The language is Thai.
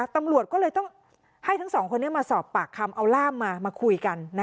ตำรวจก็เลยต้องให้ทั้งสองคนนี้มาสอบปากคำเอาร่ามมามาคุยกัน